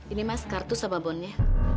ini mas kartu saba bonnya